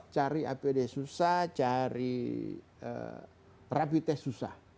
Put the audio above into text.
cari apd susah cari rapi tes susah